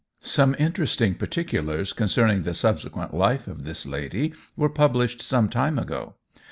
Some interesting particulars concerning the subsequent life of this lady were published some time ago.